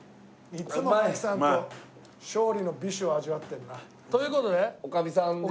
いつも槙さんと勝利の美酒を味わってるな。という事でおかみさん。